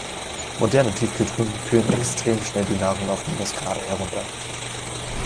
Moderne Tiefkühltruhen kühlen extrem schnell die Nahrung auf Minusgrade herunter.